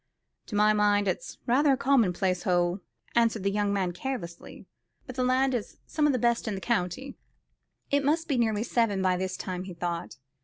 "To my mind it's rather a commonplace hole," answered the young man carelessly, "but the land is some of the best in the county." It must be nearly seven by this time, he thought.